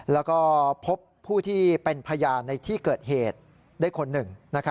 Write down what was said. แล้วก็พบผู้ที่เป็นพยานในที่เกิดเหตุได้คนหนึ่ง